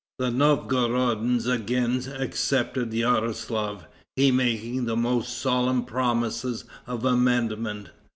The Novgorodians again accepted Yaroslaf, he making the most solemn promises of amendment.